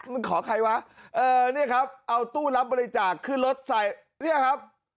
มันขอใครวะเออเนี่ยครับเอาตู้รับบริจาคขึ้นรถใส่เนี่ยครับ